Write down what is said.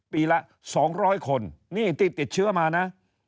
ปีละ๒๐๐คนนี่ที่ติดเชื้อมานะ